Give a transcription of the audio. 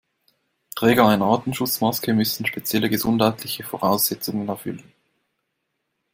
Träger einer Atemschutzmaske müssen spezielle gesundheitliche Voraussetzungen erfüllen.